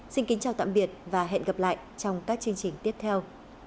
xin kính chào tạm biệt và hẹn gặp lại trong các chương trình tiếp theo